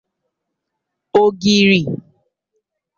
ogiri